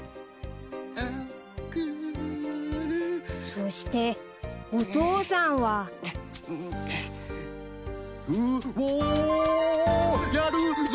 ［そしてお父さんは］うお！やるぞ！